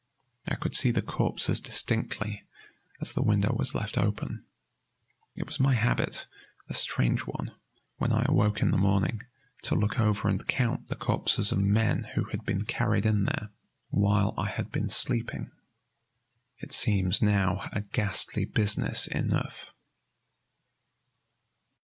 I could see the corpses distinctly, as the window was left open. It was my habit, a strange one, when I awoke in the morning, to look over and count the corpses of men who had been carried in there while I had been sleeping. It seems now a ghastly business enough.